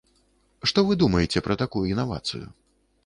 Што вы думаеце пра такую інавацыю?